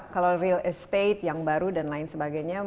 kalau real estate yang baru dan lain sebagainya